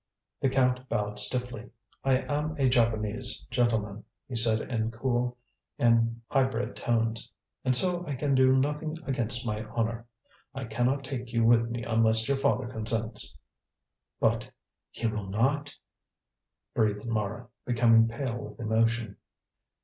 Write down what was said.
The Count bowed stiffly. "I am a Japanese gentleman," he said in cool and high bred tones, "and so I can do nothing against my honour. I cannot take you with me unless your father consents." "But he will not," breathed Mara, becoming pale with emotion.